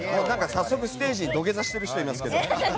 早速ステージで土下座している人いますけど。